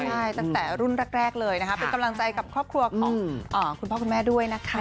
ใช่ตั้งแต่รุ่นแรกเลยนะคะเป็นกำลังใจกับครอบครัวของคุณพ่อคุณแม่ด้วยนะคะ